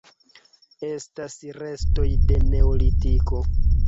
Estas restoj de Neolitiko.